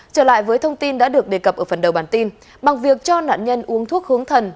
trở lại với thông tin đã được đề cập ở phần đầu bản tin bằng việc cho nạn nhân uống thuốc hướng thần